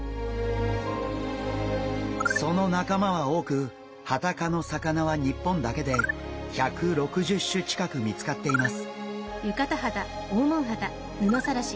その仲間は多くハタ科の魚は日本だけで１６０種近く見つかっています。